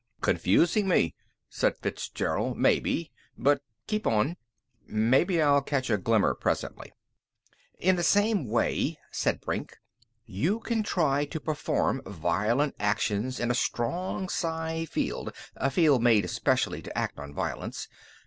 "Confusing me," said Fitzgerald, "maybe. But keep on. Maybe I'll catch a glimmer presently." "In the same way," said Brink, "you can try to perform violent actions in a strong psi field a field made especially to act on violence.